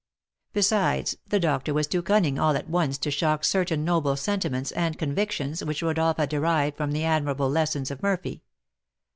Besides, the doctor was too cunning all at once to shock certain noble sentiments and convictions which Rodolph had derived from the admirable lessons of Murphy.